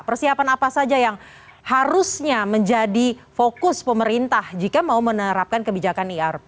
persiapan apa saja yang harusnya menjadi fokus pemerintah jika mau menerapkan kebijakan irp